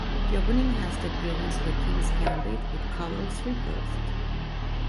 The opening has the appearance of a King's Gambit with colours reversed.